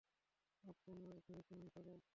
আপনার ভেবেছেন আমি পাগল।